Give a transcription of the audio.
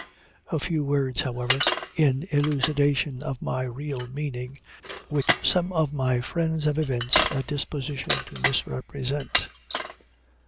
A few words, however, in elucidation of my real meaning, which some of my friends have evinced a disposition to misrepresent.